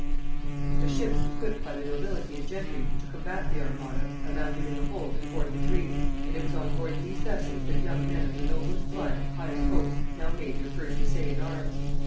] The ships equipped by the nobility and gentry to combat the armada amounted in the whole to forty three, and it was on board these vessels that young men of the noblest blood and highest hopes now made their first essay in arms.